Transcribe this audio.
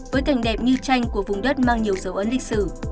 với cảnh đẹp như tranh của vùng đất mang nhiều dấu ấn lịch sử